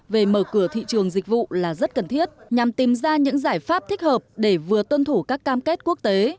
về mở cửa thị trường dịch vụ là rất cần thiết nhằm tìm ra những giải pháp thích hợp để vừa tuân thủ các cam kết quốc tế